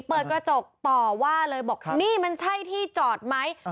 เปิดกระจกต่อว่าเลยบอกนี่มันใช่ที่จอดไหม